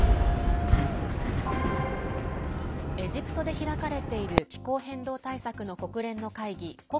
エジプトで開かれている気候変動対策の国連の会議